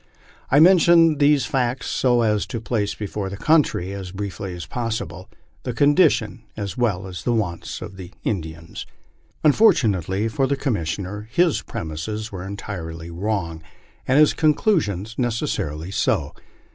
I mention these facts so as to place before the country, as briefly as possible, the condition as well as the wants of the Indians." Unfortunately for the Commissioner, his premises were entirely wrong, and his conclusions necessarily so.